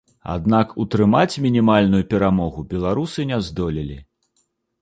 Аднак утрымаць мінімальную перамогу беларусы не здолелі.